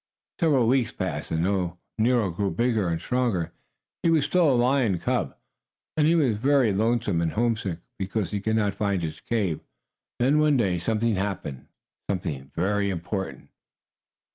Several weeks passed, and though Nero grew bigger and stronger, he was still a lion cub. And he was very lonesome and homesick, because he could not find his cave. Then, one day, something happened something very important.